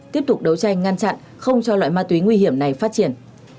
tiếp tục đấu tranh ngăn chặn không cho loại ma túy nguy hiểm này phát triển